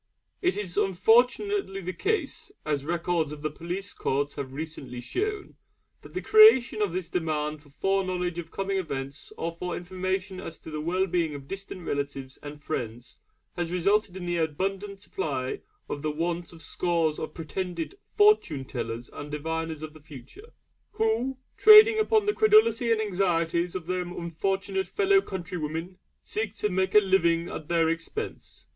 It is unfortunately the case, as records of the police courts have recently shown, that the creation of this demand for foreknowledge of coming events or for information as to the well being of distant relatives and friends has resulted in the abundant supply of the want by scores of pretended 'Fortune tellers' and diviners of the Future; who, trading upon the credulity and anxieties of their unfortunate fellow countrywomen, seek to make a living at their expense.